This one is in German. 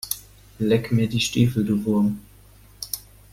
Leck mir die Stiefel, du Wurm!